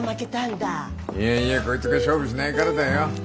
いやいやこいつが勝負しないからだよ。